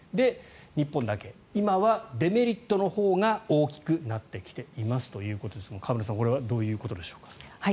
日本だけ今はデメリットのほうが大きくなってきていますということですが河村さんこれはどういうことでしょうか。